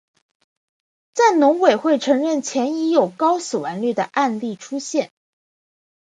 在农委会承认前已有高死亡率的案例出现。